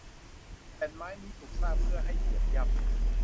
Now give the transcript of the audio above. แผ่นไม้นี้ถูกสร้างเพื่อให้เหยียบย่ำ